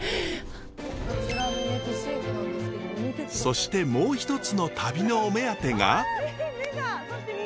そしてもうひとつの旅のお目当てが。